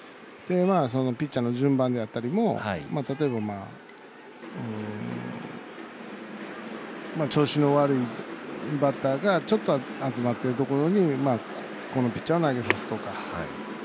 ピッチャーの順番であったりも例えば、調子の悪いバッターがちょっと集まってるところにこのピッチャーを投げさすとか。